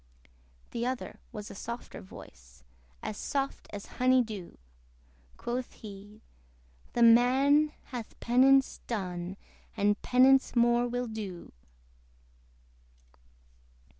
The other was a softer voice, As soft as honey dew: Quoth he, "The man hath penance done, And penance more will do."